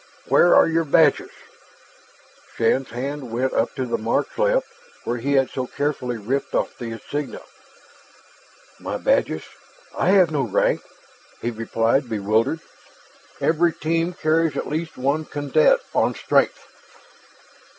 "Where are your badges?" Shann's hand went up to the marks left when he had so carefully ripped off the insignia. "My badges? I have no rank," he replied, bewildered. "Every team carries at least one cadet on strength."